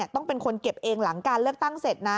ต้องเป็นคนเก็บเองหลังการเลือกตั้งเสร็จนะ